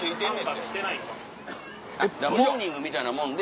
モーニングみたいなもんで。